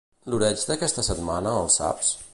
L'oreig d'aquesta setmana, el saps?